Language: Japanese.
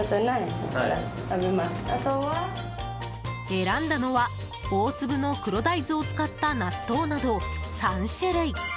選んだのは、大粒の黒大豆を使った納豆など３種類。